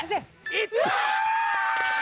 いったー！